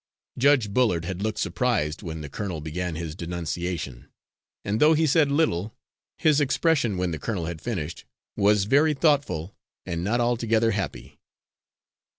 Judge Bullard had looked surprised when the colonel began his denunciation; and though he said little, his expression, when the colonel had finished, was very thoughtful and not altogether happy.